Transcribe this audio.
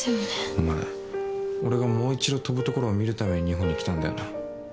お前俺がもう一度跳ぶところを見るために日本に来たんだよな？